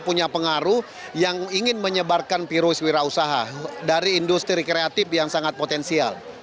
punya pengaruh yang ingin menyebarkan virus wira usaha dari industri kreatif yang sangat potensial